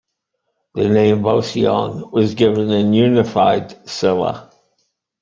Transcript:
The name "Boseong" was given in Unified Silla.